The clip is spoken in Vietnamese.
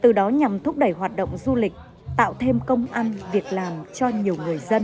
từ đó nhằm thúc đẩy hoạt động du lịch tạo thêm công ăn việc làm cho nhiều người dân